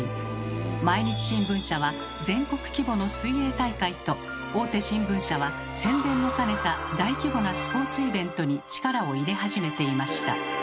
毎日新聞社は全国規模の水泳大会と大手新聞社は宣伝も兼ねた大規模なスポーツイベントに力を入れ始めていました。